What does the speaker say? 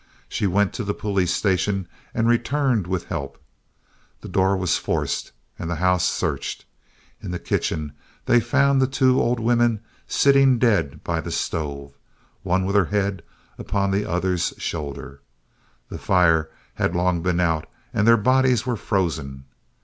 She went to the police station and returned with help. The door was forced and the house searched. In the kitchen they found the two old women sitting dead by the stove, one with her head upon the other's shoulder. The fire had long been out and their bodies were frozen.